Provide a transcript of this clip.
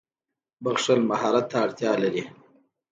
• بښل مهارت ته اړتیا لري.